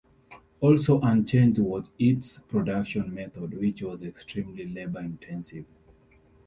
Also unchanged was its production method, which was extremely labour-intensive.